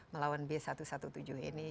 melawan b satu ratus tujuh belas ini